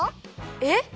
えっ？